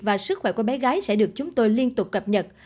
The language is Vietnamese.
và sức khỏe của bé gái sẽ được chúng tôi liên tục cập nhật